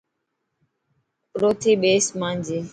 ارو ٿي ٻيسن مانجي.